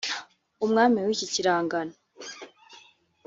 umwami w’iki kiragano